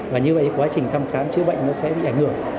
và như vậy quá trình thăm khám chữa bệnh nó sẽ bị ảnh hưởng